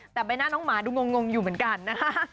แต่ใบหน้าน้องหมาดูงงอยู่เหมือนกันนะคะ